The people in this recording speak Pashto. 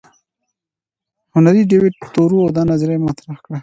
هنري ډیویډ تورو دا نظریه مطرح کړه.